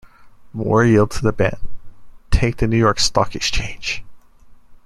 Moore yelled to the band, Take the New York Stock Exchange!